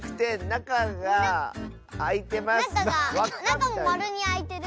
なかがなかもまるにあいてる。